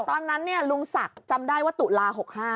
ตอนนั้นลุงศักดิ์จำได้ว่าตุลา๖๕